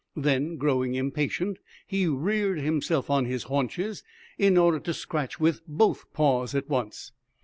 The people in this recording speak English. Then, growing impatient, he reared himself on his haunches in order to scratch with both paws at once.